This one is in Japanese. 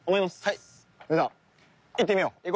それでは行ってみよう。